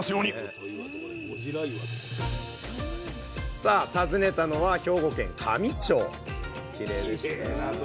さあ訪ねたのは兵庫県香美町きれいな所。